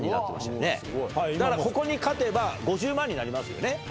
だからここに勝てば５０万になりますよね。